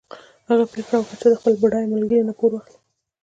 هغه پرېکړه وکړه چې له خپل بډای ملګري نه پور واخلي.